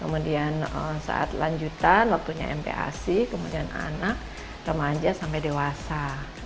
kemudian saat lanjutan waktunya mpac kemudian anak remaja sampai dewasa